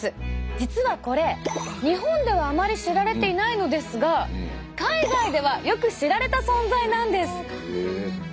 実はこれ日本ではあまり知られていないのですが海外ではよく知られた存在なんです。